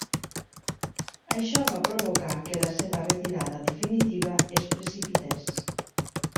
Això va provocar que la seva retirada definitiva es precipités.